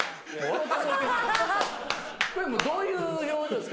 これどういう表情ですか？